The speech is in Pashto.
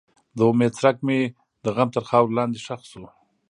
د امید څرک مې د غم تر خاورو لاندې ښخ شو.